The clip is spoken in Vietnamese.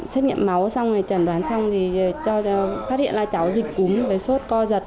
xếp nghiệm máu xong rồi trần đoán xong thì phát hiện là cháu dịch cúm với suốt coi giật